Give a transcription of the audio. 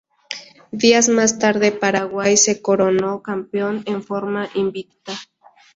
Días más tarde Paraguay se coronó campeón en forma invicta.